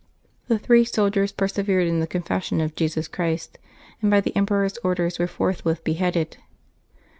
The three soldiers persevered in the confession of Jesus Christ, and by the emperor's orders were forthwith beheaded.